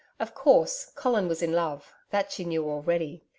Of course, Colin was in love that she knew already.